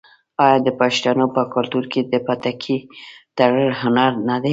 آیا د پښتنو په کلتور کې د پټکي تړل هنر نه دی؟